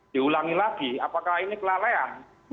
diulangi lagi apakah ini kelalaian